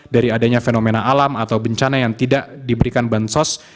dari adanya fenomena alam atau bencana yang tidak diberikan bansos